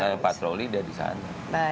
maka angkatan patroli dia di sana